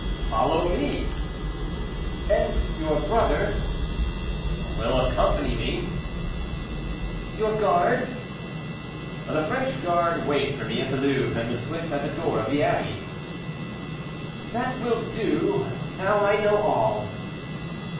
"Follow me." "And your brother?" "Will accompany me." "Your guard?" "The French guard wait for me at the Louvre, and the Swiss at the door of the Abbey." "That will do; now I know all."